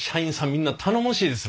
みんな頼もしいですね。